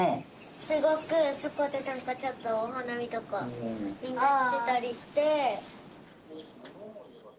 すごくそこで何かちょっとお花見とかみんなしてたりして。